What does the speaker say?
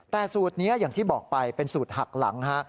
แต่สูตรนี้อย่างที่บอกไปเป็นสูตรหักหลังฮะ